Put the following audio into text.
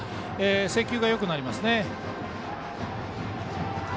制球がよくなりますね。